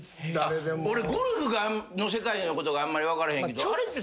俺ゴルフの世界のことがあんまり分かれへんけど。